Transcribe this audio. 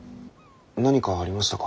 何かありましたか？